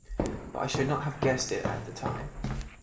But I should not have guessed it at the time.